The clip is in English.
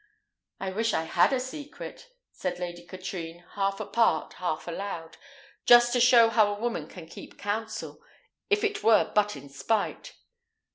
"I wish I had a secret," said Lady Katrine, half apart, half aloud, "just to show how a woman can keep counsel, if it were but in spite.